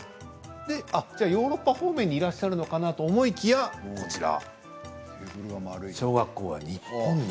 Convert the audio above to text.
ヨーロッパ方面にいらっしゃるのかと思いきや小学校は日本で。